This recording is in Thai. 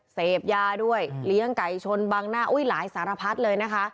เสพยาด้วยเหลี้ยงไก่ชบางหน้าหลายสารพัฒน์